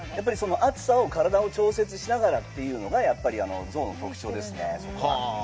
暑さを体を調節しながらというのがやっぱりゾウの特徴ですね。